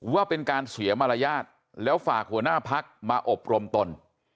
ว่าเป็นการเสียมารยาทแล้วฝากหัวหน้าพักมาอบรมตน